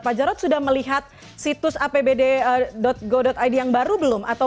pak jarod sudah melihat situs apbd go id yang baru belum